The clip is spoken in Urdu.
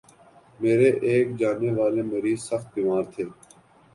میرے ایک جاننے والے مریض سخت بیمار تھے